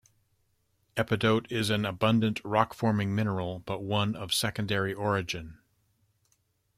Epidote is an abundant rock-forming mineral, but one of secondary origin.